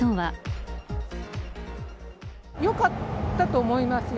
よかったと思いますよ。